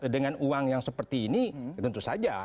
dengan uang yang seperti ini tentu saja